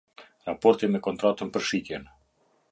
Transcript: Raporti me kontratën për shitjen.